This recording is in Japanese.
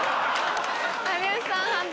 有吉さん